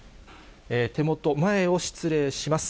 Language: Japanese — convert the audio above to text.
手元、前を失礼します。